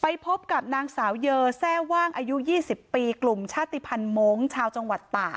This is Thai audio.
พบกับนางสาวเยอแทร่ว่างอายุ๒๐ปีกลุ่มชาติภัณฑ์มงค์ชาวจังหวัดต่า